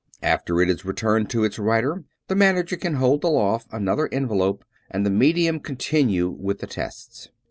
After it is re turned to its writer, the manager can hold aloft another envelope and the medium continue with the tests.